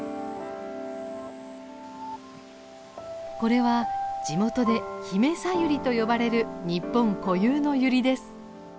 これは地元で「ヒメサユリ」と呼ばれる日本固有のユリです。